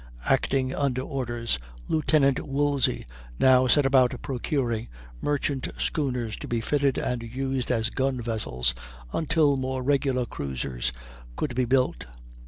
Acting under orders, Lieut. Woolsey now set about procuring merchant schooners to be fitted and used as gun vessels until more regular cruisers could be built.